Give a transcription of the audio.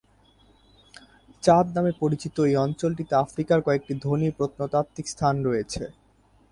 চাদ নামে পরিচিত এই অঞ্চলটিতে আফ্রিকার কয়েকটি ধনী প্রত্নতাত্ত্বিক স্থান রয়েছে।